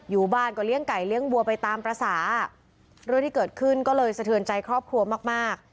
อยู่บ้านก็เลี้ยงไก่เลี้ยงวัวไปตามภาษาเรื่องที่เกิดขึ้นก็เลยสะเทือนใจครอบครัวมากมาก